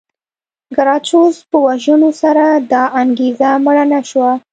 ګراکچوس په وژنې سره دا انګېزه مړه نه شوه.